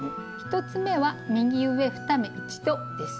１つ目は「右上２目一度」です。